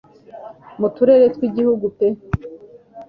mu turere tw'igihugu pe